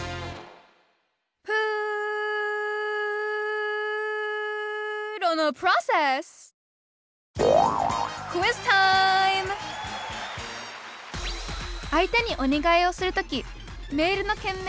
プーロのプロセス相手にお願いをする時メールの件名はどれにする？